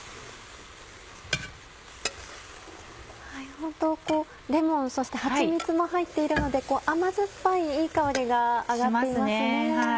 ホントレモンそしてはちみつも入っているので甘酸っぱいいい香りが上がっていますね。